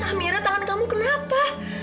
amira tangan kamu kenapa